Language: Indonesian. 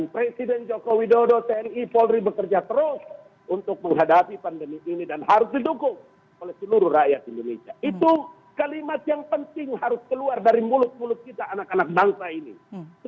tidak boleh kita menutup mata terhadap masalah itu